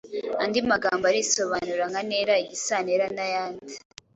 andi magambo arisobanura nka ntera, igisantera, n’ayandi.